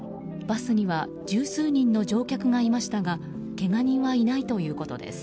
バスには十数人の乗客がいましたがけが人はいないということです。